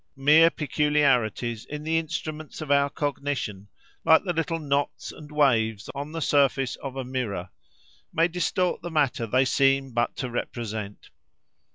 Mere peculiarities in the instruments of our cognition, like the little knots and waves on the surface of a mirror, may distort the matter they seem but to represent.